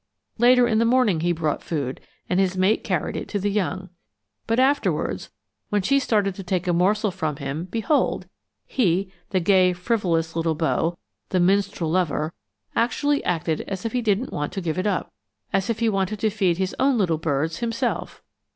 Later in the morning he brought food and his mate carried it to the young. But afterwards, when she started to take a morsel from him, behold! he the gay, frivolous little beau, the minstrel lover actually acted as if he didn't want to give it up, as if he wanted to feed his own little birds himself.